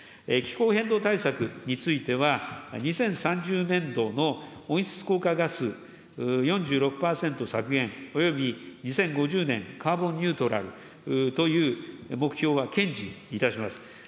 気候変動対策については、２０３０年度の温室効果ガス４６％削減、および２０５０年、カーボンニュートラルという目標は堅持いたします。